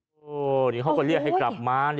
โอ้โหนี่เขาก็เรียกให้กลับมา